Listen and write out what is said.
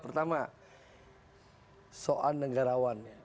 pertama soal negarawan